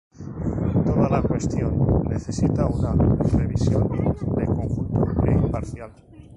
Toda la cuestión necesita una revisión de conjunto e imparcial.